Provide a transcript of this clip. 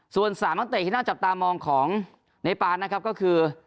ส่วน๓นักเตะที่น่าจับตามองของเนปานนะครับก็คือ